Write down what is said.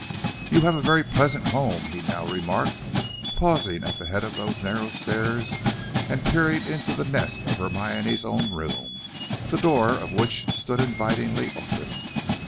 "You have a very pleasant home," he now remarked, pausing at the head of those narrow stairs and peering into the nest of Hermione's own room, the door of which stood invitingly open.